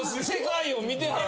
・世界を見て。